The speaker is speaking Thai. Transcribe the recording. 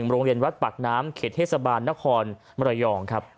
๑โรงเรียนวัตถ์ปากน้ำเขตเทศบาลนครรยอง